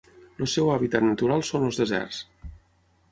El seu hàbitat natural són els deserts.